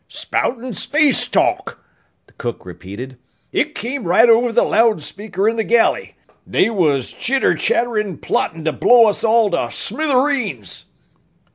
"Spoutin' space talk!" the cook repeated. "It come right over the loud speaker in the galley! They was chitter chatterin' plottin' to blow us all to smithereens!"